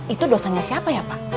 itu dosanya siapa ya pak